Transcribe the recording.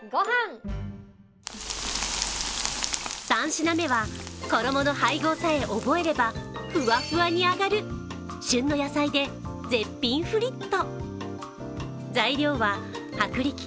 ３品目は衣の配合さえ覚えればフワフワに揚がる旬の野菜で絶品フリット。